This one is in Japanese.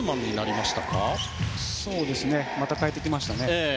また変えてきましたね。